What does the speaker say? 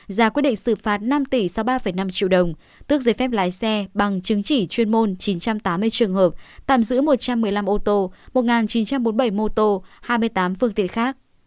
ra quyết định xử phạt năm tỷ sau ba năm triệu đồng tước giấy phép lái xe bằng chứng chỉ chuyên môn chín trăm tám mươi trường hợp tạm giữ một trăm một mươi năm ô tô một chín trăm bốn mươi bảy mô tô hai mươi tám phương tiện khác